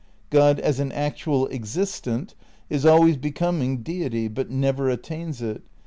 . "God as an actual existent is always becoming deity but never attains it.